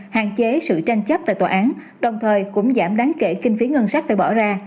hạn chế sự tranh chấp tại tòa án đồng thời cũng giảm đáng kể kinh phí ngân sách phải bỏ ra